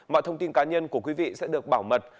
mọi thông tin cá nhân của quý vị sẽ được bảo mật